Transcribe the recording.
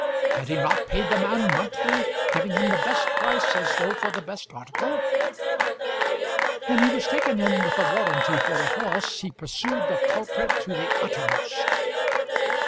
Had he not paid the man monthly, giving him the best price as though for the best article? When he was taken in with a warranty for a horse, he pursued the culprit to the uttermost.